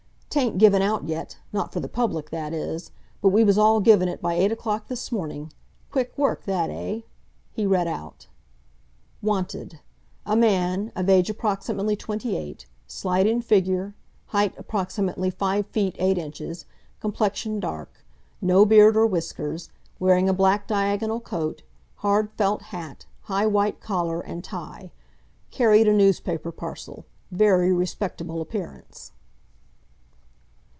"'Tain't given out yet—not for the public, that is—but we was all given it by eight o'clock this morning. Quick work that, eh?" He read out: "WANTED "A man, of age approximately 28, slight in figure, height approximately 5 ft. 8 in. Complexion dark. No beard or whiskers. Wearing a black diagonal coat, hard felt hat, high white collar, and tie. Carried a newspaper parcel. Very respectable appearance."